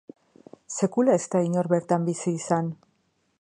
Sekula ez da inor bertan bizi izan.